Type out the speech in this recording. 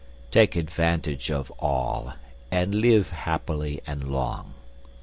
Take advantage of all, and live happily and long.